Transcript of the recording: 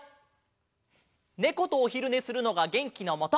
ネコとおひるねするのがげんきのもと！